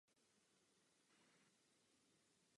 A na klonovaná zvířata a tak dále, paní komisařko.